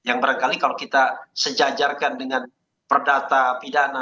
yang barangkali kalau kita sejajarkan dengan perdata pidana